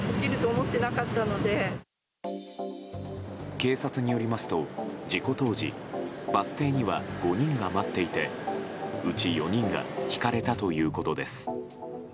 警察によりますと、事故当時バス停には５人が待っていてうち４人がひかれたということです。